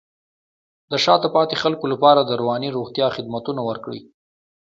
د شاته پاتې خلکو لپاره د رواني روغتیا خدمتونه ورکړئ.